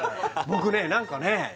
僕ね何かね